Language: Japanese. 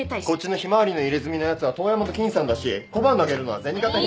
ひまわりの入れ墨のやつは『遠山の金さん』だし小判投げるのは『銭形平次』。